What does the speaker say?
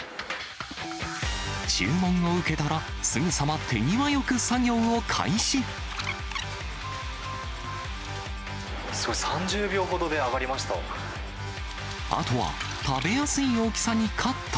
注文を受けたら、すぐさま手すごい、３０秒ほどで揚がりあとは食べやすい大きさにカット。